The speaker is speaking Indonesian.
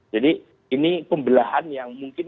jadi ini pembelahan yang mungkin